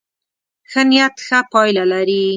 ښه نيت ښه پایله لري.